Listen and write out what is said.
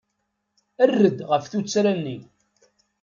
Err-d ɣef tuttra-nni.